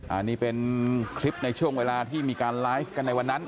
อันนี้เป็นคลิปในช่วงเวลาที่มีการไลฟ์กันในวันนั้น